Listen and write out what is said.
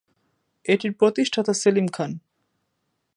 এটির প্রতিষ্ঠাতা সেলিম খান।